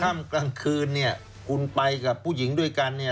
ค่ำกลางคืนเนี่ยคุณไปกับผู้หญิงด้วยกันเนี่ย